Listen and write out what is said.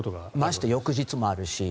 まして翌日もあるし。